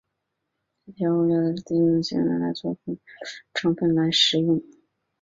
一些调味料在特定情况下用来作主食或主要成分来食用。